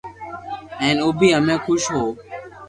ھين اپي ھمي خوس ھون